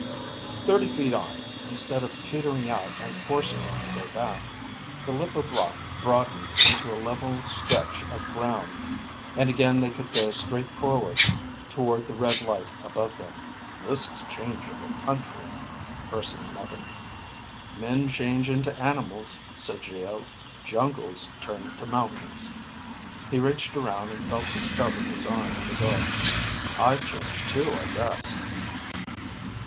Thirty feet on, instead of petering out and forcing them to go back, the lip of rock broadened into a level stretch of ground and again they could go straight forward toward the red light above them. "This is changeable country," Urson muttered. "Men change into animals," said Geo, "jungles turn to mountains." He reached around and felt the stub of his arm in the dark. "I've changed too, I guess."